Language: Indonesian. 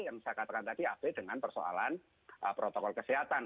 yang saya katakan tadi abai dengan persoalan protokol kesehatan